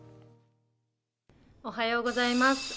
おはようございます。